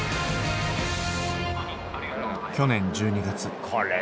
去年１２月。